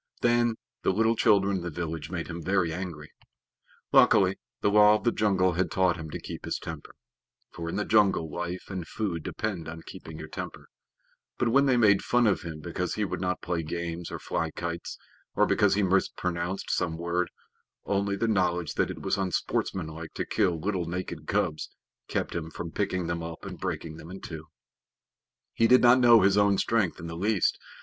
Then the little children in the village made him very angry. Luckily, the Law of the Jungle had taught him to keep his temper, for in the jungle life and food depend on keeping your temper; but when they made fun of him because he would not play games or fly kites, or because he mispronounced some word, only the knowledge that it was unsportsmanlike to kill little naked cubs kept him from picking them up and breaking them in two. He did not know his own strength in the least.